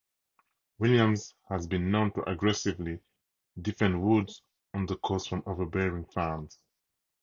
Williams has been known to aggressively defend Woods on the course from overbearing fans.